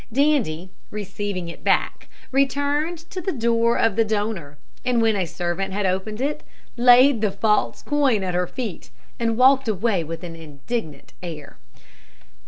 Dandie, receiving it back, returned to the door of the donor, and when a servant had opened it, laid the false coin at her feet, and walked away with an indignant air.